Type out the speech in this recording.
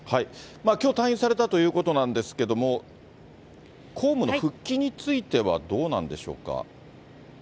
きょう退院されたということなんですけども、公務の復帰についてはどうなんでしょうか。